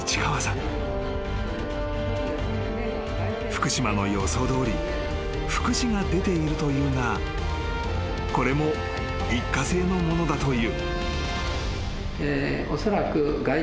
［福島の予想どおり複視が出ているというがこれも一過性のものだという］